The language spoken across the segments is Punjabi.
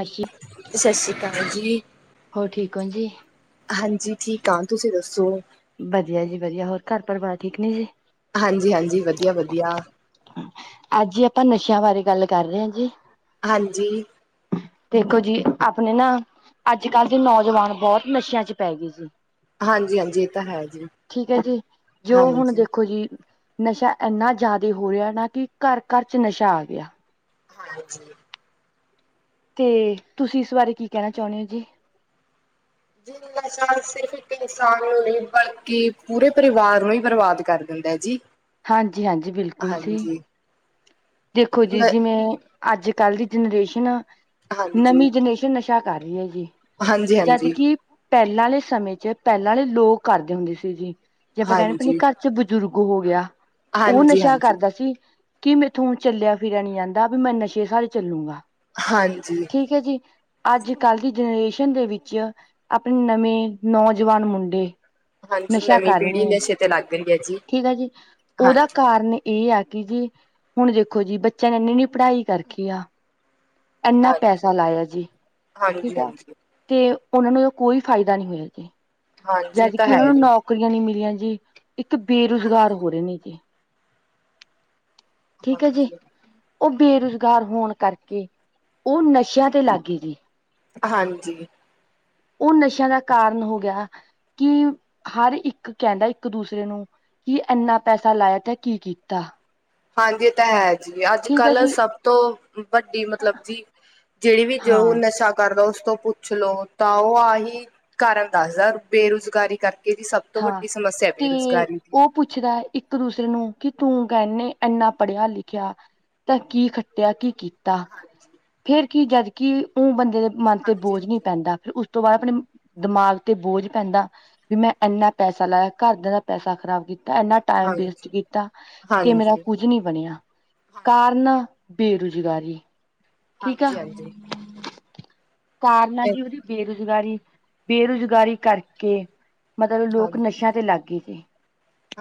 ਹਜੀ ਸਤਿ ਸ੍ਰੀ ਅਕਾਲ ਜੀ ਹੋਰ ਠੀਕ ਹੋ ਜੀ। ਹਾਂਜੀ ਠੀਕ ਹਾਂ ਤੁਸੀਂ ਦੱਸੋ। ਵਧੀਆ ਜੀ ਵਧੀਆ ਹੋਰ ਘਰ ਪਰਿਵਾਰ ਠੀਕ ਨੇ ਜੀ। ਹਾਂਜੀ ਹਾਂਜੀ ਵਧੀਆ ਵਧੀਆ। ਅੱਜ, ਆਪਾਂ ਨਸ਼ਿਆਂ ਬਾਰੇ ਗੱਲ ਕਰ ਰਹੇ ਆਂ, ਜੇ। ਹਾਂਜੀ। ਦੇਖੋ ਜੀ ਆਪਣੇ ਨਾ ਅੱਜ-ਕੱਲ੍ਹ ਦੇ, ਨੌਜਵਾਨ ਬਹੁਤ ਨਸ਼ਿਆਂ'ਚ ਪੈ ਗਏ ਜੇ। ਹਾਂਜੀ ਹਾਂਜੀ ਇਹ ਤਾਂ ਹੈ ਜੀ ਠੀਕ ਹੈ ਜੀ, ਜੋ, ਹੁਣ ਹਾਂਜੀ ਦੇਖੋ ਜੀ ਨਸ਼ਾ ਐਂਨਾ ਜ਼ਿਆਦੇ ਹੋ ਰਿਹਾ ਨਾ, ਕਿ ਘਰ-ਘਰ'ਚ ਨਸ਼ਾ ਆਗਿਆ। ਹਾਂਜੀ। ਤੇ, ਤੁਸੀਂ ਇਸ ਬਾਰੇ ਕੀ ਕਹਿਣਾ ਚਾਹੁੰਦੇ ਹੋ, ਜੇ? [unintelligible] ਸਿਰਫ ਇੱਕ ਇਨਸਾਨ ਨੂੰ, ਨਹੀਂ ਬਲਕਿ ਪੂਰੇ ਪਰਿਵਾਰ ਨੂੰ ਹੀ, ਬਰਬਾਦ ਕਰਦੇ ਹੁੰਦਾ ਜੀ। ਹਾਂਜੀ-ਹਾਂਜੀ, ਬਿਲਕੁਲ ਜੀ। ਹਾਂਜੀ ਦੇਖੋ ਜੀ, ਨ- ਜਿਵੇਂ, ਅੱਜ-ਕੱਲ ਦੀ ਜਨਰੇਸ਼ਨ ਆ ਹਾਂਜੀ ਨਵੀਂ ਜਨਰੇਸ਼ਨ ਨਸ਼ ਕਿਆ ਕਰ ਰਹੀ ਹੈ, ਜੀ। ਹਾਂਜੀ, ਜਦ ਹਾਂਜੀ। ਕਿ ਪਹਿਲਾਂ ਵਾਲੇ ਸਮੇਂ'ਚ, ਪਹਿਲਾਂ ਵਾਲੇ ਲੋਕ ਕਰਦੇ ਹੁੰਦੇ ਸੀ, ਜੀ ਜੇ ਆਪਾਂ ਕਹਿੰਦੇ ਪ ਹਾਂਜੀ ਘਰ'ਚ ਬਜ਼ੁਰਗ ਹੋ ਗਿਆ ਉਹ ਹਾਂਜੀ ਨਸ਼ਾ ਹਾਂਜੀ ਕਰਦਾ ਸੀ। ਕਿ, ਮੇਰੇ ਇਥੋਂ ਚੱਲਿਆ ਫਿਰਿਆ ਨੀ ਜਾਂਦਾ ਵੀ ''ਮੈਂ ਨਸ਼ੇ ਸਾਰੇ ਚੱਲੂਂਗਾ ਹਾਂਜੀ ਠੀਕ, ਹੈ-ਜੀ, ਅੱਜ-ਕੱਲ ਦੀ ਜਨਰੇਸ਼ਨ ਦੇ ਵਿੱਚ ਆਪਣੇ ਨਵੇਂ ਨੌਜਵਾਨ ਮੁੰਡੇ ਹਾਂਜੀ ਨਸ਼ਾ ਨਵੀਂ ਕਰ ਰਹੇ ਪੀੜ੍ਹੀ ਨੇ। ਨਸ਼ੇ ਤੇ ਲੱਗ ਰਹੀ ਹੈ ਠੀਕ ਆ ਜੀ, ਉਹਦਾ ਹਾਂਜੀ ਕਾਰਨ ਇਹ ਆ ਜੀ। ਹੁਣ ਦੇਖੋ ਜੀ, ਬੱਚਿਆਂ ਨੇ ਇਨੀ ਨੀ ਪੜ੍ਹਾਈ ਕਰਕੇ ਆ। ਇਨਾ ਹਾਂਜੀ ਪੈਸਾ ਲਾਇਆ ਜੀ। ਹਾਂਜੀ ਠੀਕ ਆ ਹਾਂਜੀ ਤੇ, ਉਹਨਾਂ ਨੂੰ ਕੋਈ ਫਾਇਦਾ ਨਹੀਂ ਹੋਇਆ ਜੇ। ਹਾਂਜੀ ਇਹ ਤਾਂ ਜਦਕਿ ਉਹਨਾਂ ਹੈ ਨੂੰ, ਜੀ ਨੌਕਰੀਆਂ ਨਹੀਂ ਮਿਲੀਆਂ ਜੀ, ਇੱਕ ਬੇਰੁਜ਼ਗਾਰ ਹਾਂਜੀ ਹੋ ਰਹੇ ਨੇ ਜੇ। ਜੀ ਹਾਂਜੀ। ਉਹ, ਬੇਰੁਜ਼ਗਾਰ ਹੋਣ ਕਰਕੇ, ਉਹ ਨਸ਼ਿਆਂ ਤੇ ਲਾਗਗੇ ਜੀ। ਹਾਂਜੀ। ਉਹ, ਨਸ਼ਿਆਂ ਦਾ ਕਾਰਨ ਹੋ ਗਿਆ ਕਿ, ਹਰ ਇੱਕ ਕਹਿੰਦਾ ਇੱਕ-ਦੂਸਰੇ ਨੂੰ ਕੀ, ਐਨਾ ਪੈਸਾ ਲਾਇਆ ਤੇ, ਕੀ-ਕੀਤਾ? ਹਾਂਜੀ ਤੈ, ਹੈ ਜੀ ਅੱਜ-ਕੱਲ੍ਹ ਜੀ ਸਭ ਤੋਂ ਵੱਡੀ ਮਤਲਬ ਜੀ ਜਿਹੜੀ ਵੀ ਜੋ, ਉਹ ਹਾਂ ਨਸ਼ਾ ਕਰਦਾ ਤੋਂ, ਪੁੱਛਲੋ ਤਾਂ, ਉਹ ਆਹੀ ਕਾਰਨ ਦੱਸਦਾ ਬੇਰੁਜ਼ਗਾਰੀ ਕਰਕੇ ਜੀ ਸਭ ਤੋਂ ਹਾਂ, ਵੱਡੀ ਸਮੱਸਿਆ ਤੇ, ਬੇਰੁਜ਼ਗਾਰੀ ਦੀ। ਉਹ ਪੁੱਛਦਾ ਇੱਕ-ਦੂਸਰੇ ਨੂੰ, ਕਿ ਤੂੰ, ਕਹਿੰਨੇ ਇੰਨਾ ਪੜ੍ਹਿਆ-ਲਿਖਿਆ ਤਾ ਕੀ ਖੱਟਿਆ ਕੀ ਕੀਤਾ ਕੀਤਾ ਹਾਂਜੀ, ਫੇਰ ਕੀ, ਜਦਕਿ ਉਹ ਬੰਦੇ ਦੇ ਮਨ ਤੇ, ਹਾਂਜੀ, ਹਾਂਜੀ। ਬੋਝ ਨਹੀਂ ਪੈਂਦਾ ਫਿਰ ਉਸ ਤੋ, ਬਾਅਦ ਆਪਣੇ ਦਿਮਾਗ ਤੇ, ਬੋਝ ਪੈਂਦਾ ਵੀ, ਮੈਂ ਇੰਨਾ ਪੈਸਾ ਲਾਇਆ, ਘਰ ਦਿਆ ਦਾ ਪੈਸਾ ਖ਼ਰਾਬ ਕੀ ਤਾਂ ਇੰਨਾ ਹਾਂਜੀ, ਟਾਈਮ ਵੇਸਟ ਹਾਂਜੀ। ਕੀਤਾ, ਤੇ ਮੇਰਾ ਹਾਂਜੀ। ਕੁੱਝ ਨਹੀਂ ਬਣਿਆ, ਕਾਰਨ! ਬੇਰੁਜ਼ਗਾਰੀ ਠੀਕ ਆ ਹਾਂਜੀ-ਹਾਂਜੀ। ਕਾਰਨ ਆ-ਜੀ, ਬੇਰੁਜ਼ਗਾਰੀ, ਬੇਰੁਜ਼ਗਾਰੀ ਕਰਕੇ ਮਤਲਬ ਲੋਕ ਹਾਂਜੀ। ਨਸ਼ਿਆਂ ਤੇ, ਲੱਗ ਗਏ ਸੀ।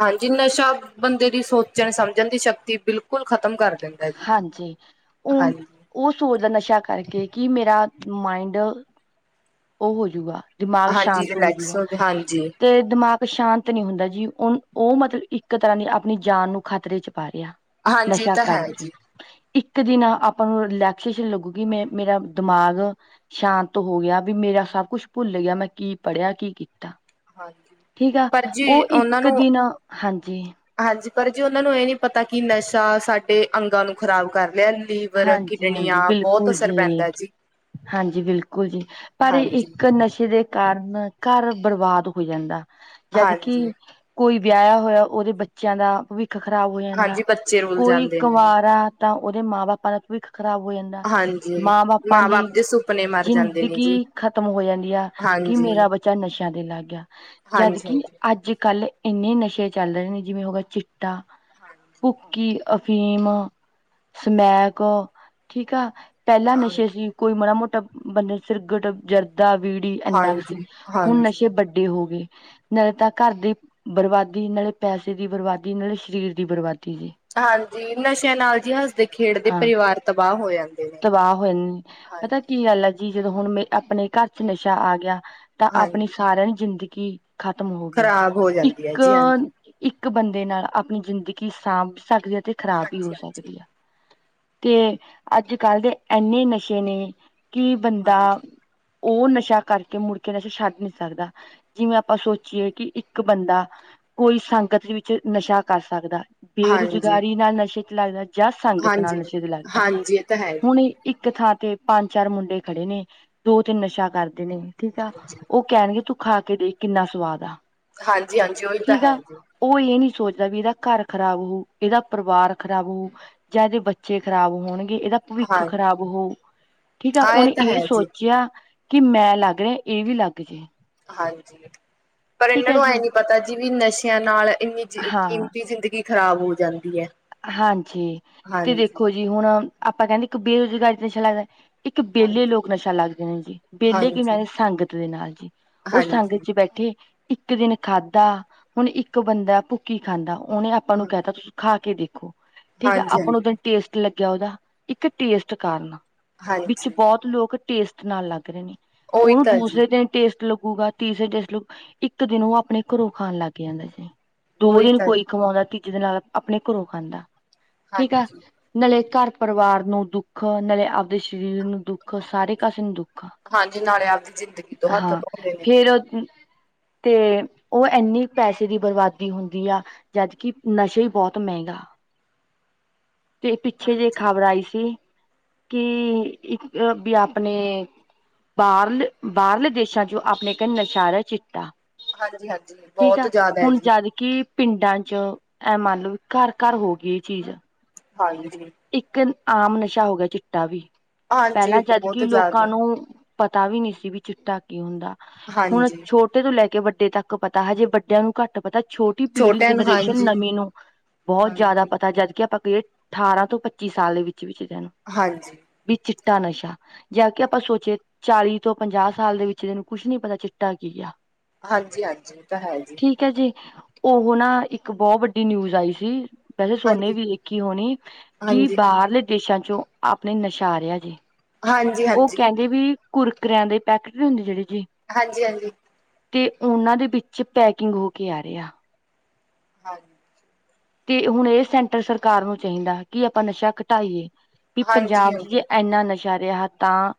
ਹਾਂਜੀ। ਨਸ਼ਾ! ਬੰਦੇ ਦੀ ਸੋਚਣ, ਸਮਝਣ ਦੀ ਸ਼ਕਤੀ ਬਿਲਕੁਲ ਖ਼ਤਮ ਕਰ ਦਿੰਦਾ ਜੀ। ਹਾਂਜੀ‌। ਉਹ- ਹਾਂਜੀ, ਉਹ ਸੋਚ ਦਾ ਨਸ਼ਾ ਸ਼ਾ ਕਰਕੇ ਕੀ, ਮੇਰਾ ਮਾਇੰਡ ਉਹ ਹੋਜੂਗਾ। ਦਿਮਾਗ ਹਾਂਜੀ ਸ਼ਾਂਤ ਰਿਲੈਕਸ ਹੋਜੂਗਾ, ਹੋ ਹਾਂਜੀ, ਤੇ ਦਿਮਾਗ ਸ਼ਾਂਤ ਨੀ ਹੁੰਦਾ ਜੀ। ਉਹ-ਉਹ ਮਤਲਬ ਇੱਕ ਤਰ੍ਹਾਂ ਦੀ ਆਪਣੀ ਜਾਨ ਨੂੰ ਖਤਰੇ'ਚ ਪਾ ਰਿਹਾ, ਹਾਂਜੀ ਇਹ ਨਸ਼ਾ ਤਾਂ ਹੈ ਜੀ। ਕਰਕੇ। ਇੱਕ ਦਿਨ ਆਪਾਂ ਨੂੰ ਰਿਲੈਕਸੇਸ਼ਨ ਲੱਗੂਗੀ ''ਮੈਂ' ਮੇਰਾ ਦਿਮਾਗ ਸ਼ਾਂਤ ਹੋ ਗਿਆ ਵੀ ਮੇਰਾ ਸਭ ਕੁਛ ਭੁੱਲ ਗਿਆ ਮੈਂ ਕਿ ਪੜ੍ਹਿਆ ਕਿ ਕੀਤਾ ਹਾਂਜੀ ਠੀਕ ਆ ਪਰ ਜੀ ਉਹ ਉਹਨਾਂ ਇੱਕ ਨੂੰ ਦਿਨ, ਹਾਂਜੀ। ਹਾਂਜੀ ਪਰ ਜੀ ਉਹਨਾਂ ਨੂੰ ਇਹ ਨੀ ਪਤਾ ਕਿ ਨਸ਼ਾ ਸਾਡੇ ਅੰਗਾਂ ਨੂੰ ਖ਼ਰਾਬ ਕਰ ਲੀਵਰ, ਹਾਂਜੀ ਹਾਂਜੀ ਕਿਡਨੀਆਂ ਬਹੁਤ ਬਿਲਕੁਲ ਅਸਰ ਪੈਂਦਾ ਜੀ। ਹਾਂਜੀ, ਬਿਲਕੁਲ ਜੀ ਪਰ ਹਾਂਜੀ ਇੱਕ ਨਸ਼ੇ ਦੇ ਕਾਰਨ ਘਰ ਬਰਬਾਦ ਹੋ ਜਾਂਦਾ ਜਦਕਿ ਹਾਂਜੀ ਕੋਈ ਵਿਆਹ ਹੋਇਆ ਉਹਦੇ ਬੱਚਿਆਂ ਦਾ ਭਵਿੱਖ ਖ਼ਰਾਬ ਹੋ ਜਾਂਦਾ। ਹਾਂਜੀ ਬੱਚੇ ਰੁਲ ਕੋਈ ਜਾਂਦੇ ਨੇ ਕੁਵਾਰਾ ਤਾਂ ਉਹਦੇ ਮਾਂ -ਬਾਪਾ ਦਾ ਭਵਿੱਖ ਖ਼ਰਾਬ ਹੋ ਜਾਂਦਾ। ਹਾਂਜੀ ਮਾਂ -ਬਾਪਾਂ ਦੀ ਬਾਪ ਦੇ ਸੁਪਨੇ ਮਰ ਜਾਂਦੇ ਨੇ ਜੀ ਜ਼ਿੰਦਗੀ ਖਤਮ ਹੋ ਜਾਂਦੀ ਆ। ਕਿ ਹਾਂਜੀ ਮੇਰਾ ਬੱਚਾ ਨਸ਼ਿਆਂ ਦੇ ਲੱਗ ਗਿਆ ਹਾਂਜੀ ਜਦਕਿ ਹਾਂਜੀ ਅੱਜ ਕੱਲ ਇੰਨੇ ਨਸ਼ੇ ਚੱਲ ਰਹੇ ਨੇ ਜਿਵੇਂ ਹੋ ਚਿੱਟਾ, ਭੁੱਕੀ ਅਫੀਮ, ਸਮੈਕ ਠੀਕ ਆ ਪਹਿਲਾਂ ਹਾਂਜੀ ਨਸ਼ੇ ਸੀ ਕੋਈ ਮਾੜਾ -ਮੋਟਾ ਬੰਦਾ ਸਿਰਗਟ, ਜਰਦ ਦਾ ਬੀੜੀ ਇੰਨਾ ਕੁ ਸੀ। ਹਾਂਜੀ ਹੁਣ ਹਾਂਜੀ ਨਸ਼ੇ ਵੱਡੇ ਹੋ ਗਏ ਨਾਲੇ ਤਾਂ ਘਰ ਦੀ ਬਰਬਾਦੀ, ਨਾਲੇ ਪੈਸੇ ਦੀ ਬਰਬਾਦੀ, ਨਾਲੇ ਸਰੀਰ ਦੀ ਬਰਬਾਦੀ। ਜੀ ਹਾਂਜੀ, ਨਸ਼ਿਆਂ ਨਾਲ ਜੀ ਹੱਸਦੇ- ਖੇਡਦੇ ਹਾਂ ਪਰਿਵਾਰ ਤਬਾਹ ਹੋ ਜਾਂ ਤਬਾਹ ਹੋਏ ਨੇ ਪਤਾ ਕੀ ਗੱਲ ਆ ਜੀ ਜਦੋਂ ਹੁਣ ਮੇ ਆਪਣੇ ਘਰ ਚ ਨਸ਼ਾ ਆ ਗਿਆ ਤਾਂ ਆਪਣੀ ਹਾਂਜੀ ਸਾਰਿਆਂ ਦੀ ਜ਼ਿੰਦਗੀ ਖਤਮ ਹੋ ਗਈ। ਖ਼ਰਾਬ ਹੋ ਜਾਂਦੀ ਹੈ ਇੱਕ ਜੀ ਹਾਂਜੀ ਇੱਕ ਬੰਦੇ ਨਾਲ ਆਪਣੀ ਜ਼ਿੰਦਗੀ ਸਾਂਭ ਸਕਦੀ ਆ ਤੇ ਖ਼ਰਾਬ ਵੀ ਹੋ ਹਾਂਜੀ ਹਾਂਜੀ ਸਕਦੀ ਆ। ਤੇ ਅੱਜ -ਕੱਲ੍ਹ ਦੇ ਇੰਨੇ ਨਸ਼ੇ ਨੇ ਕਿ ਬੰਦਾ ਉਹ ਨਸ਼ਾ ਕਰਕੇ ਮੁੜ ਕੇ ਨਸ਼ਾ ਛੱਡ ਨੀ ਸਕਦਾ। ਜਿਵੇਂ ਆਪਾਂ ਸੋਚੀਏ ਕਿ ਇੱਕ ਬੰਦਾ ਕੋਈ ਸੰਗਤ ਵਿੱਚ ਨਸ਼ਾ ਕਰ ਸਕਦਾ ਹਾਂਜੀ ਬੇਰੁਜ਼ਗਾਰੀ ਨਾਲ ਨਸ਼ੇ 'ਚ ਲੱਗਦਾ ਜਾਂ, ਸੰਗਤ ਨਾਲ ਹਾਂਜੀ ਨਸ਼ੇ ਤੇ ਲੱਗਦਾ। ਹਾਂਜੀ ਹਾਂਜੀ ਇਹ ਤਾਂ ਹੈ ਹੁਣ ਜੀ ਇੱਕ ਥਾਂ ਤੇ ਪੰਜ -ਚਾਰ ਮੁੰਡੇ ਖੜੇ ਨੇ, ਦੋ -ਤਿੰਨ ਨਸ਼ਾ ਕਰਦੇ ਨੇ। ਠੀਕ ਆ ਹਾਂਜੀ ਉਹ ਕਹਿਣਗੇ ਤੂੰ ਖਾ ਕੇ ਦੇ ਕਿੰਨਾ ਸਵਾਦ ਆ। ਹਾਂਜੀ ਹਾਂਜੀ ਉਹੀ ਤਾਂ ਠੀਕ ਹੈ ਆ, ਜੀ ਉਹ ਇਹ ਨੀ ਸੋਚਦਾ ਵੀ ਇਹਦਾ ਘਰ ਖਰਾਬ ਹੋਊ, ਇਹਦਾ ਪਰਿਵਾਰ ਖ਼ਰਾਬ ਹੋਊ ਜਾਂ ਇਹਦੇ ਬੱਚੇ ਖ਼ਰਾਬ ਹੋਣਗੇ, ਇਹਦਾ ਭਵਿੱਖ ਹਾਂ ਖ਼ਰਾਬ ਹੋ ਠੀਕ ਆ ਹਾਂ ਉਹਨੇ ਤਾਂ ਇਹ ਹੈ ਜੀ ਸੋਚਿਆ ਕਿ ਮੈਂ ਲੱਗ ਰਿਹਾ ਇਹ ਵੀ ਲੱਗ ਜੇ। ਹਾਂਜੀ ਪਰ ਠੀਕ ਇਹਨਾਂ ਹੈ ਨੂੰ ਐ ਜੀ ਨੀ ਪਤਾ ਜੀ ਵੀ ਨਸ਼ਿਆਂ ਨਾਲ ਇੰਨੀ ਜ ਹਾਂ ਕੀਮਤੀ ਜ਼ਿੰਦਗੀ ਖ਼ਰਾਬ ਹੋ ਜਾਂਦੀ ਹੈ। ਹਾਂਜੀ ਤੇ ਹਾਂਜੀ ਦੇਖੋ ਜੀ ਹੁਣ ਆਪਾਂ ਕਹਿੰਦੇ ਇੱਕ ਬੇਰੁਜ਼ਗਾਰੀ ਤੇ ਨਸ਼ਾ ਲੱਗਦਾ ਇੱਕ ਹਾਂਜੀ ਵਿਹਲੇ ਲੋਕ ਨਸ਼ਾ ਲੱਗਦੇ ਨੇ ਜੀ, ਵਿਹਲੇ ਕੀ ਹਾਂਜੀ ਬਨਾਦੇ ਸੰਗਤ ਦੇ ਨਾਲ ਜੀ, ਉਹ ਹਾਂਜੀ ਸੰਗਤ ਚ ਬੈਠੇ ਇੱਕ ਦਿਨ ਖਾਧਾ ਹੁਣ ਇੱਕ ਬੰਦਾ ਭੁੱਕੀ ਖਾਂਦਾ ਉਹਨੇ ਆਪਾਂ ਨੂੰ ਹਾਂ ਕਹਿਤਾ ਤੁਸੀ ਖਾ ਕੇ ਦੇਖੋ ਠੀਕ ਹੈ ਹਾਂਜੀ ਆਪਾਂ ਨੂੰ ਦਿਨ ਟੇਸਟ ਲੱਗਿਆ ਉਹਦਾ ਇੱਕ ਟੇਸਟ ਕਾਰਨ ਵਿੱਚ ਹਾਂਜੀ ਹਾਂਜੀ ਬਹੁਤ ਲੋਕ ਟੇਸਟ ਨਾਲ ਲੱਗ ਰਹੇ ਨੇ ਉਹੀ ਉਹਨੂੰ ਤਾਂ ਜੀ ਦੂਸਰੇ ਦਿਨ ਟੇਸਟ ਲੂਗਾ ਤੀਸਰੇ ਜਲ ਇੱਕ ਦਿਨ ਉਹ ਆਪਣੇ ਘਰੋਂ ਖਾਣ ਲੱਗ ਜਾਂਦਾ ਸੀ। ਦੋ ਉਹੀ ਦਿਨ ਤਾਂ ਕੋਈ ਖਵਾਉਂਦਾ, ਤੀਜੇ ਦਿਨ ਨਾਲ ਆਪਣੇ ਘਰੋਂ ਖਾਂਦਾ, ਠੀਕ ਆ। ਹਾਂਜੀ ਨਾਲੇ ਘਰ ਪਰਿਵਾਰ ਨੂੰ ਦੁੱਖ, ਨਾਲੇ ਆਪਦੇ ਸਰੀਰ ਨੂੰ ਦੁੱਖ ਸਾਰੇ ਕਸੇ ਨੂੰ ਦੁੱਖ। ਹਾਂਜੀ ਨਾਲੇ ਆਪਦੀ ਜ਼ਿੰਦਗੀ ਤੋਂ ਹੱਥ ਹਾਂ ਧੋਂਦੇ ਨੇ ਫੇਰ [inaudible] ਤੇ ਉਹ ਇੰਨੀ ਪੈਸੇ ਦੀ ਬਰਬਾਦੀ ਹੁੰਦੀ ਆ ਜਦਕਿ ਨਸ਼ੇ ਹੀ ਬਹੁਤ ਮਹਿੰਗਾ ਤੇ ਪਿੱਛੇ ਜੇ ਹਾਂਜੀ ਖ਼ਬਰ ਆਈ ਸੀ ਕਿ ਇੱਕ ਵੀ ਆਪਣੇ ਬਾਹਰਲੇ-ਬਾਹਰਲੇ ਦੇਸਾਂ 'ਚ ਆਪਣੇ ਕਨੀ ਨਸ਼ਾ ਆ ਰਿਹਾ ਚਿੱਟਾ ਹਾਂਜੀ ਹਾਂਜੀ ਠੀਕ ਬਹੁਤ ਆ। ਜ਼ਿਆਦਾ ਹੈ ਹੁਣ ਜੀ ਜਦਕਿ ਪਿੰਡਾਂ 'ਚ ਇਹ ਮੰਨ ਲਓ ਘਰ-ਘਰ ਹੋ ਗਈ ਇਹ ਚੀਜ਼ ਹਾਂਜੀ ਇੱਕ ਆਮ ਨਸ਼ਾ ਹੋ ਗਿਆ ਚਿੱਟਾ ਵੀ, ਹਾਂਜੀ ਪਹਿਲਾਂ ਜਦਕਿ ਬਹੁਤ ਲੋਕਾਂ ਜ਼ਿਆਦਾ ਨੂੰ ਪਤਾ ਵੀ ਨਹੀ ਸੀ ਵੀ ਚਿੱਟਾ ਕਿ ਹੁੰਦਾ? ਹੁਣ ਹਾਂਜੀ ਛੋਟੇ ਤੋਂ ਲੈ ਕੇ ਵੱਡੇ ਤੱਕ ਪਤਾ ਹੈ ਜੇ ਵੱਡਿਆਂ ਨੂੰ ਘੱਟ ਪਤਾ ਛੋਟੀ ਪੀੜ੍ਹੀ ਛੋਟਿਆਂ ਨੂੰ ਜਨਰੇਸ਼ਨ ਹਾਂਜੀ ਨਵੀਂ ਨੂੰ ਬਹੁਤ ਜ਼ਿਆਦਾ ਹਾਂਜੀ ਪਤਾ ਜਦਕਿ ਆਪਾਂ ਕਹੀਏ ਅਠਾਰਾਂ ਤੋਂ ਪੱਚੀ ਸਾਲ ਦੇ ਵਿੱਚ ਵੀ ਰ ਨੂੰ ਹਾਂਜੀ ਵੀ ਚਿੱਟਾ ਨਸ਼ਾ ਜ ਕੇ ਆਪਾਂ ਸੋਚੇ ਚਾਲੀ ਤੋਂ ਪੰਜਾਹ ਸਾਲ ਦੇ ਵਿੱਚ ਇਹੈਨੂੰ ਕੁਛ ਨੀ ਪਤਾ ਚਿੱਟਾ ਕੀ ਹੂੰਦਾ ਹਾਂਜੀ-ਹਾਂਜੀ ਤਾਂ ਹੈ ਜੀ ਹੈ ਜੀ ਉਹ ਨਾ ਇੱਕ ਬਹੁਤ ਵੱਡੀ ਨਿਊਜ਼ ਆਈ ਸੀ। ਵੈਸੇ ਸੋਨੇ ਹਾਂਜੀ ਵੀ ਇੱਕ ਹੀ ਹੋਣੀ ਕੀ ਹਾਂਜੀ ਹਾਂਜੀ ਬਾਹਰਲੇ ਦੇਸਾਂ ਚੋਂ ਆਪਣੇ ਨਸ਼ਾ ਰਿਹਾ ਜੀ ਹਾਂਜੀ ਉਹ ਹਾਂਜੀ ਕਹਿੰਦੇ ਵੀ ਕੁਰਕਰਿਆਂ ਦੇ ਪੈਕੇਟ ਵੀ ਹੁੰਦੇ ਜਿਹੜੀ ਹਾਂਜੀ-ਹਾਂਜੀ ਤੇ ਉਹਨਾਂ ਦੇ ਵਿੱਚ ਪੈਕਿੰਗ ਹੋ ਕੇ ਆ ਰਿਹਾ ਹਾਂਜੀ ਤੇ ਹੁਣ ਇਹ ਸੈਂਟਰ ਸਰਕਾਰ ਨੂੰ ਚਾਹੀਦਾ ਕਿ ਆਪਾਂ ਨਸ਼ਾ ਘਟਾਈਏ ਵੀ ਹਾਂਜੀ ਪੰਜਾਬ ਚ ਜੇ ਹਾਂਜੀ ਇਨਾ ਨਸ਼ਾ ਰਿਹਾ ਤਾਂ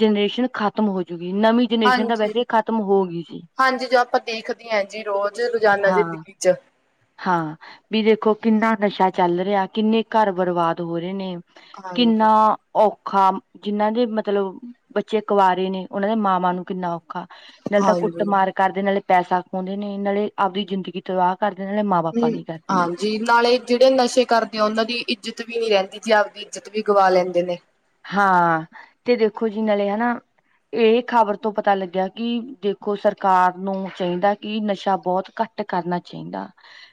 ਜਨਰੇਸ਼ਨ ਖਤਮ ਹੋਜੂਗੀ ਨਵੀਂ ਜਨਰੇਸ਼ਨ ਤਾਂ ਹਾਂਜੀ ਵੈਸੇ ਖਤਮ ਹੋ ਗਈ ਸੀ ਹਾਂਜੀ ਜੋ ਆਪਾਂ ਦੇਖਦੇ ਹ ਜੀ ਰੋਜ਼ ਰੋਜ਼ਾਨਾ ਹਾਂ ਜ਼ਿੰਦਗੀ ਚ ਹਾਂ ਵੀ ਦੇਖੋ ਕਿੰਨਾ ਨਸ਼ਾ ਚੱਲ ਰਿਹਾ ਕਿੰਨੇ ਘਰ ਬਰਬਾਦ ਹੋ ਰਹੇ ਨੇ ਹਾਂਜੀ ਕਿੰਨਾ ਔਖਾ ਜਿੰਨਾਂ ਦੇ ਮਤਲਬ ਬੱਚੇ ਕੁਵਾਰੇ ਨੇ ਉਹਨਾਂ ਦੇ ਮਾਵਾਂ ਨੂੰ ਕਿੰਨਾ ਔਖਾ ਨਾਲੇ ਤਾਂ ਕੁੱਟ ਹਾਂਜੀ ਮਾਰ ਕਰਦੇ ਨਾਲੇ ਪੈਸਾ ਖਉਂਦੇ ਨੇ ਨਾਲੇ ਆਪਦੀ ਜ਼ਿੰਦਗੀ ਤਬਾਹ- ਕਰਦੇ ਨਾਲੇ ਮਾਂ ਬਾਪਾਂ ਹਮ ਨੀ ਕਰਦੇ ਨੇ ਹਾਂਜੀ ਨਾਲੇ ਜਿਹੜੇ ਨਸ਼ੇ ਕਰਦੇ ਆ ਉਹਨਾਂ ਦੀ ਇੱਜਤ ਵੀ ਨੀ ਰਹਿੰਦੀ ਆਪਦੀ ਇੱਜ਼ਤ ਵੀ ਗਵਾ ਲੈਂਦੇ ਨੇ ਹਾਂ ਤੇ ਦੇਖੋ ਜੀ ਨਾਲੇ ਹਨਾ ਇਹ ਖ਼ਬਰ ਤੋਂ ਪਤਾ ਲੱਗਿਆ ਕਿ ਦੇਖੋ ਸਰਕਾਰ ਨੂੰ ਚਾਹੀਦਾ ਕਿ ਨਸ਼ਾ ਬਹੁਤ ਘੱਟ ਘੱਟ ਕਰਨਾ ਚਾਹੀਦਾ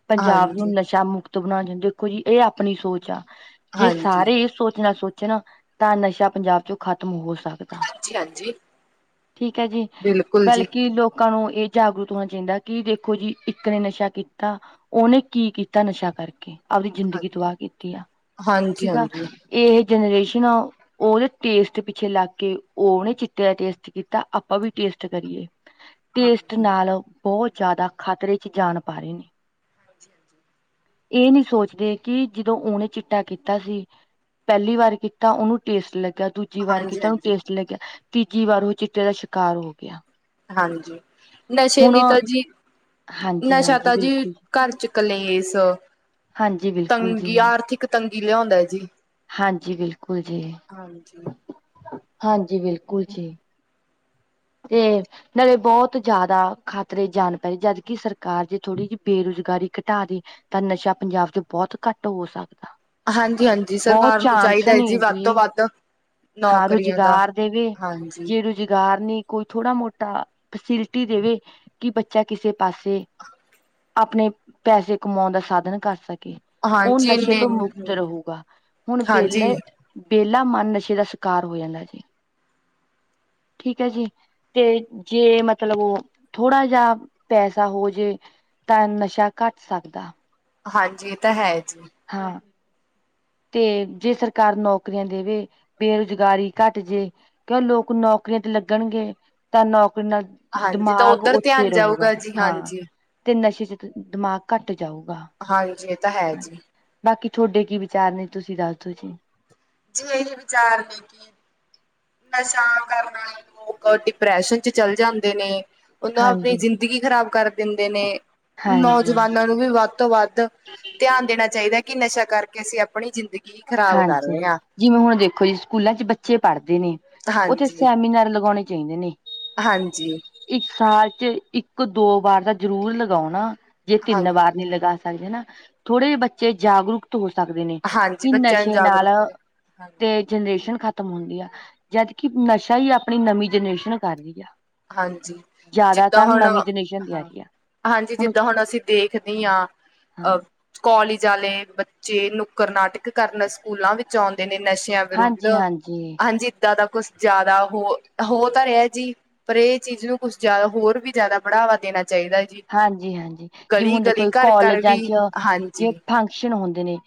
ਪੰਜਾਬ ਨੂੰ ਹਾਂਜੀ ਨਸ਼ਾ ਮੁਕਤ ਬਣਾਣਾ ਚੁੰ ਦੇਖੋ ਜੀ ਇਹ ਆਪਣੀ ਸੋਚ ਆ ਜੇ ਹਾਂਜੀ। ਸਾਰੇ ਇਹ ਸੋਚਣਾ ਸੋਚਣ ਤਾਂ ਨਸ਼ਾ ਪੰਜਾਬ ਚੋਂ ਖਤਮ ਖਤਮ ਹੋ ਸਕਦਾ ਹਾਂਜੀ-ਹਾਂਜੀ। ਠੀਕ ਹੈ ਜੀ ਬਿਲਕੁਲ ਜੀ। ਬਲਕਿ ਲੋਕਾਂ ਨੂੰ ਇਹ ਜਾਗਰੂਕ ਹੋਣਾ ਚਾਹੀਦਾ ਕਿ ਦੇਖੋ ਜੀ ਇੱਕ ਨੇ ਨਸ਼ਾ ਕੀਤਾ ਉਹਨੇ ਕੀ ਕੀਤਾ ਨਸ਼ਾ ਕਰਕੇ ਆਪਦੀ ਜ਼ਿੰਦਗੀ ਹਾਂਜੀ। ਤਬਾਹ ਕੀਤੀ ਆ ਠੀਕ ਆ ਹਾਂਜੀ-ਹਾਂਜੀ। ਇਹ ਜਨਰੇਸ਼ਨ ਆ ਉਹਦੇ ਟੇਸਟ ਪਿੱਛੇ ਲੱਗ ਕੇ ਉਹ ਓਹਨੇ ਚਿੱਟੇ ਦਾ ਟੇਸਟ ਕੀਤਾ ਆਪਾਂ ਵੀ ਟੇਸਟ ਕਰੀਏ ਟੇਸਟ ਹਾਂਜੀ, ਨਾਲ ਬਹੁਤ ਜ਼ਿਆਦਾ ਖਤਰੇ ਚ ਜਾਣ ਪਾ ਰਹੇ ਨੇ ਇਹ ਨਹੀਂ ਸੋਚਦੇ ਕਿ ਜਦੋਂ ਉਹਨੇ ਚਿੱਟਾ ਕੀਤਾ ਸੀ ਪਹਿਲੀ ਵਾਰ ਕੀਤਾ ਉਹਨੂੰ ਟੇਸਟ ਲੱਗਿਆ ਦੂਜੀ ਵਾਰ ਕਿ ਕੀਤਾ ਉਹਨੂੰ ਹਾਂਜੀ-ਹਾਂਜੀ, ਟੇਸਟ ਲੱਗਿਆ ਤੀਜੀ ਵਾਰ ਉਹ ਚਿੱਟੇ ਦਾ ਸ਼ਿਕਾਰ ਹੋ ਗਿਆ ਹਾਂਜੀ- ਨਸ਼ੇ ਹੁਣ ਦੀ ਤਾ ਜੀ ਹਾਂਜੀ ਨਸ਼ਾ ਹਾਂਜੀ ਤਾ ਜੀ ਬਿਲਕੁਲ ਘਰ ਚ ਕਲੇਸ਼ ਹਾਂਜੀ ਬਿਲਕੁਲ ਤੰਗੀ ਜੀ ਆਰਥਿਕ ਤੰਗੀ ਲਿਆਉਂਦਾ ਹੈ ਜੀ ਹਾਂਜੀ ਬਿਲਕੁਲ ਜੀ ਹਾਂਜੀ। ਹਾਂਜੀ ਬਿਲਕੁਲ ਜੀ ਤੇ ਨਾਲੇ ਬਹੁਤ ਜ਼ਿਆਦਾ ਖਤਰੇ ਜਾਣ ਪੈਏ ਜਦਕਿ ਸਰਕਾਰ ਜੇ ਥੋੜੀ ਜਿਹੀ ਬੇਰੁਜ਼ ਰੁਜ਼ਗਾਰੀ ਘਟਾ ਦੀ ਤਾਂ ਨਸ਼ਾ ਪੰਜਾਬ ਚ ਬਹੁਤ ਘੱਟ ਹੋ ਸਕਦਾ ਹਾਂਜੀ- ਹਾਂਜੀ ਬਹੁਤ ਸਰਕਾਰ ਨੂੰ ਚਾਂਸ ਚਾਹੀਦਾ ਹੈ ਨੇ ਜੀ ਵੱਧ ਤੋਂ ਵੱਧ ਹਾਂ ਨੌਕਰੀਆਂ ਦਾ। ਰੁਜ਼ਗਾਰ ਦੇਵੇ ਹਾਂਜੀ। ਜੇ ਰੁਜ਼ਗਾਰ ਨੀ ਕੋਈ ਥੋੜਾ ਮੋਟਾ ਫੈਸਿਲਿਟੀ ਦੇਵੇ ਕਿ ਬੱਚਾ ਕਿਸੇ ਪਾਸੇ ਆਪਣੇ ਪੈਸੇ ਕਮਾਉਣ ਦਾ ਸਾਧਨ ਕਰ ਸਕੇ ਉਹ ਹਾਂਜੀ ਨਸ਼ੇ ਇੰਨੇ ਤੋਂ ਮੁਕਤ ਰਹੇਗਾ ਹੁਣ ਹਾਂਜੀ, ਵਿੇਹਲੇ ਵਿਹਲਾ ਮਨ ਨਸ਼ੇ ਦਾ ਸ਼ਿਕਾਰ ਹੋ ਜਾਂਦਾ ਸੀ ਠੀਕ ਹੈ ਜੀ ਤੇ ਜੇ ਮਤਲਬ ਉਹ ਥੋੜਾ ਜਿਹਾ ਪੈਸਾ ਹੋ ਜੇ ਤਾਂ ਨਸ਼ਾ ਘੱਟ ਸਕਦਾ ਹਾਂਜੀ ਇਹ ਤਾਂ ਹੈ ਜੀ। ਹਾਂ ਤੇ ਜੇ ਸਰਕਾਰ ਨੌਕਰੀਆਂ ਦੇਵੇ ਬੇਰੁਜ਼ਗਾਰੀ ਘੱਟ ਜੇ ਕਿਉਂ ਲੋਕ ਨੌਕਰੀਆਂ ਲੱਗਣਗੇ ਤਾਂ ਨੌਕਰੀ ਆਪ ਹਾਂਜੀ ਤਾਂ ਦਿਮਾਗ ਉੱਧਰ ਉੱਥੇ ਧਿਆਨ ਰਹੇਗਾ। ਜਾਊਗਾ ਜੀ ਹਾਂ, ਹਾਂਜੀ, ਤੇ ਨਸ਼ੇ ਚ ਦਿਮਾਗ ਘੱਟ ਜਾਊਗਾ ਹਾਂ ਹਾਂਜੀ ।ਇਹ ਤਾਂ ਹੈ ਜੀ। ਬਾਕੀ ਤੁਹਾਡੇ ਕੀ ਵਿਚਾਰ ਨੇ ਤੁਸੀਂ ਦੱਸਦੋ ਜੀ? ਜੇ ਏਹੀਂ ਵਿਚਾਰ ਨਸ਼ਾ ਕਰਨਾ। ਲੋਕ ਡਿਪਰੈਸ਼ਨ ਚ ਚੱਲ ਜਾਂਦੇ ਨੇ ਉਹਨਾਂ ਆਪਣੀ ਹਾਂਜੀ ਜ਼ਿੰਦਗੀ ਖਰਾਬ ਕਰ ਦਿੰਦੇ ਨੇ। ਹਾਂਜੀ ਨੌਜਵਾਨਾਂ ਨੂੰ ਵੀ ਵੱਧ ਤੋਂ ਵੱਧ ਧਿਆਨ ਦੇਣਾ ਚਾਹੀਦਾ ਕਿ ਨਸ਼ਾ ਕਰਕੇ ਅਸੀਂ ਆਪਣੀ ਜ਼ਿੰਦਗੀ ਖ਼ਰਾਬ ਕਰ ਹਾਂਜੀ। ਰਹੇ ਹਾਂ ਜਿਵੇਂ ਹੁਣ ਦੇਖੋ ਜੀ ਸਕੂਲਾਂ ਚ ਬੱਚੇ ਪੜ੍ਹਦੇ ਨੇ ਉੱਥੇ ਹਾਂਜੀ ਸਿਆਮੀ ਨਾਰ ਲਗਾਉਣੇ ਚਾਹੀਦੇ ਨੇ। ਹਾਂਜੀ। ਇੱਕ ਸਾਲ ਚ ਇੱਕ- ਦੋ ਵਾਰ ਤਾਂ ਜ਼ਰੂਰ ਲਗਾਉਣਾ। ਜੇ ਤਿੰਨ ਹਾਂਜੀ ਵਾਰ ਨੀ ਲਗਾ ਸਕ ਹਨਾ ਥੋੜੇ ਜਿਹੇ ਬੱਚੇ ਜਾਗਰੂਕਤ ਹੋ ਸਕਦੇ ਨੇ। ਹਾਂਜੀ ਕਿ ਬੱਚਿਆਂ ਨੂੰ ਨਸ਼ੇ ਨਾਲ, ਜਾਗਰੂਕ ਹਾਂਜੀ ਤੇ ਜਨਰੇਸ਼ਨ ਖ ਖਤਮ ਹੁੰਦੀ ਆ। ਜਦਕਿ ਨਸ਼ਾ ਹੀ ਆਪਣੀ ਨਵੀਂ ਜਨਰੇਸ਼ਨ ਕਰ ਰਦੀ ਆ ਹਾਂਜੀ ਜਿੱਦਾਂ ਜ਼ਿਆਦਾਤਰ ਹੁਣ ਨਵੀਂ ਜਨਰੇਸ਼ਨ ਦੀ ਆ ਹਾਂ ਰਹੀ ਹੈ। ਹਾਂਜੀ ਜਿੱਦਾਂ ਹੁਣ ਅਸੀਂ ਦੇਖਦੇ ਹਾਂ। ਹਾਂ ਅ ਕੋਲਜ ਵਾਲੇ ਬੱਚੇ ਨੁੱਕੜ ਨਾਟਕ ਕਰਨ ਸਕੂਲਾਂ ਵਿੱਚ ਆਉਂਦੇ ਨੇ। ਨਸ਼ਿਆਂ ਵਿਰੁੱਧ, ਹਾਂਜੀ ਏਦਾਂ ਦਾ ਕੁਛ ਜ਼ਿਆਦਾ ਹੋ ਹੋ ਤਾਂ ਰਿਹਾ ਜੀ। ਪਰ ਇਹ ਚੀਜ਼ ਨੂੰ ਕੁਛ ਜ਼ਿਆਦਾ ਹੋਰ ਵੀ ਜ਼ਿਆਦਾ ਬੜਾਵਾ ਦੇਣਾਦਾ ਹਾਂਜੀ -ਹਾਂਜੀ ਜਿਵੇਂ ਹੁਣ ਗਲੀ ਦੇਖੋ, ਘਰ ਘਰ ਵੀ ਕਾਲਜਾਂ ਚ ਜੇ ਹਾਂਜੀ ਫੰਕਸ਼ਨ ਹੁੰਦੇ। ਨੇ।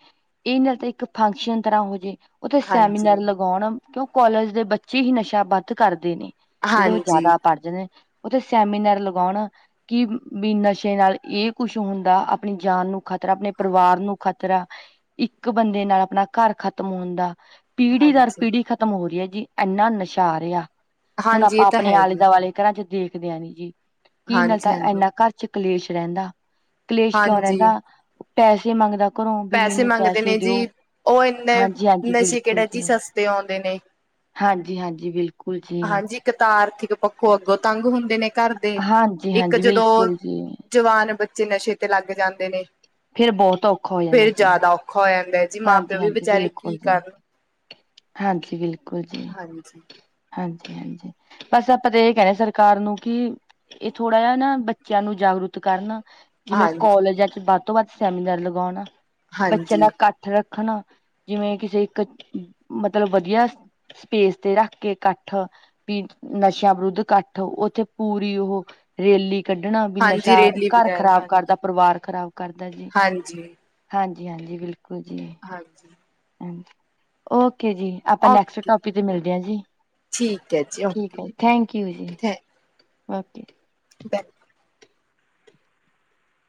ਇਹ ਨਾਲ ਤੇ ਇੱਕ ਫੰਕਸ਼ਨ ਤਰ੍ਹਾਂ ਹੋ ਜਾੇ ਉਥੇ ਸੈਮੀਨਾਰ ਹਾਂਜੀ ਲਗਾਉਣ ਕਿਉਂ ਕਾਲਜ ਦੇ ਬੱਚੇ ਹੀ ਨਸ਼ਾ ਵੱਧ ਕਰਦੇ ਨੇ ।ਜਦੋਂ ਉਹ ਹਾਂਜੀ ਜ਼ਿਆਦਾ ਪੜ ਜਾਂਦੇ ਉੱਥੇ ਸੈਮੀਨਾਰ ਲਗਾਉਣ। ਕਿ ਵੀ ਨਸ਼ੇ ਨਾਲ ਇਹ ਕੁਛ ਹੁੰਦਾ ।ਆਪਣੀ ਜਾਨ ਨੂੰ ਖ਼ਤਰਾ ਆਪਣੇ ਪਰਿਵਾਰ ਨੂੰ ਖ਼ਤਰਾ। ਇੱਕ ਬੰਦੇ ਨਾਲ ਆਪਣਾ ਘਰ ਖਤਮ ਹੋਣ ਦਾ ਪੀੜ੍ਹੀ ਦਰ ਹਾਂਜੀ ਪੀੜ੍ਹੀ ਖ਼ਤਮ ਹੋ ਰਹੀ ਹੈ ਜੀ ਇੰਨਾ ਨਸ਼ਾ ਆ ਹੁਣ ਹਾਂਜੀ ਇਹ ਆਪਾਂ ਤਾਂ ਆਪਣੇ ਹੈ ਆਲੇ ਜੀ -ਦੁਆਲੇ ਘਰਾਂ ਚ ਦੇਖਦੇ ਆ ਜੀ। ਕੀ ਨਾਲ ਹਾਂਜੀ ਤਾਂ -ਹਾਂਜੀ। ਇੰਨਾ ਘਰ ਚ ਕਲੇਸ਼ ਰਹਿੰਦਾ। ਕਲੇਸ਼ ਕਿਉਂ ਹਾਂਜੀ ਰਹਿੰਦਾ ਪੈਸੇ ਮੰਗਦਾ। ਘਰੋਂ ਵੀ ਮੈਨੂੰ ਮੰਗਦੇ ਨੇ ਪੈਸੇ ਜੀ ਦਿਓ। ਉਹ ਇੰਨੇ ਹਾਂਜੀ ਹਾਂਜੀ ਨਸ਼ੇ ਬਿਲਕੁਲ ਕਿਹੜੇ ਜੀ ਸਸਤੇ ਆਉਂਦੇ ਨੇ। ਹਾਂਜੀ- ਹਾਂਜੀ ਬਿਲਕੁਲ ਜੀ। ਹਾਂਜੀ ਇੱਕ ਤਾਂ ਆਰਥਿਕ ਪੱਖੋਂ ਅੱਗੋਂ ਤੰਗ ਹੁੰਦੇ ਨੇ ਘਰ ਦੇ। ਹਾਂਜੀ ਇੱਕ ਹਾਂਜੀ ਜਦੋਂ ਬਿਲਕੁਲ ਜੀ ਜਵਾਨ ਬ ਜੇ ਨਸ਼ੇ ਤੇ ਲੱਗ ਜਾਂਦੇ ਨੇ। ਫੇਰ ਬਹੁਤ ਹੋ ਜਾਂਦਾ ਫਿਰ ਜੀ ਜਿਆਦਾ ਔਖਾ ਹੋ ਜਾਂਦਾ ਹੈ ਜੀ ਮਾਂ- ਪਿਓ ਹਾਂਜੀ ਵੀ ਹਾਂਜੀ ਬੇਚਾਰੇ ਕੀ ਬਿਲਕੁਲ ਜੀ ਕਰਨ ਹਾਂਜੀ ।ਬਿਲਕੁਲ ਜੀ ਹਾਂਜੀ। ਹਾਂਜੀ -ਹਾਂਜੀ ਬਸ ਆਪਾਂ ਤਾਂ ਇਹ ਕਹਿਣੇ ਸਰਕਾਰ ਨੂੰ ਕਿ, ਇਹ ਥੋੜ੍ਹਾ ਜਿਹਾ ਨਾ ਬੱਚਿਆਂ ਨੂੰ ਜਾ ਜਾਗਰੂਤ ਕਰਨਾ। ਜਿਵੇਂ ਹਾਂਜੀ ਕਾਲਜਾਂ ਚ ਵੱਧ ਤੋਂ ਵੱਧ ਸੈਮੀਨਾਰ ਲਗਾਉਣਾ। ਬੱਚਿਆਂ ਹਾਂਜੀ ਨਾਲ ਘੱਟ ਰੱਖਣਾ। ਜਿਵੇਂ ਕਿਸੇ ਇੱਕ ਮਤਲਬ ਵਧੀਆ ਸਪੇਸ ਤੇ ਰੱਖ ਕੇ ਇਕੱਠ, ਵੀ ਨਸ਼ਿਆਂ ਵਿਰੁੱਧ ਇਕੱਠ, ਉੱਥੇ ਪੂਰੀ ਉਹ ਰੇਲੀ। ਕੱਢਣਾ ਵੀ ਹਾਂਜੀ ਨਸ਼ਾ ਰੇਲੀ ਘਰ ਵਗੈਰਾ ਖ਼ਰਾਬ ਹਾਂਜੀ ਕਰਦਾ, ਪਰਿਵਾਰ ਖ਼ਰਾਬ ਕਰਦਾ ਜੀ ਹਾਂਜੀ ਹਾਂ। ਜੀ, ਹਾਂਜੀ। ਬਿਲਕੁਲ ਜੀ ਹਾਂਜੀ। ਓਕੇ ਜੀ, ਆਪਾਂ ਨੈਕਸਟ ਓਕੇ ਟੋਪਿਕ ਤੇ ਮਿਲਦੇ ਹਾਂ ਜੀ। ਠੀਕ ਹੈ ਜੀ ਠੀਕ ਓਕੇ ਹੈ ਜੀ, ਥੈਂਕ ਯੂ ਜੀ, ਓਕੇ। ਬੈਕ।